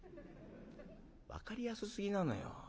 「分かりやすすぎなのよ。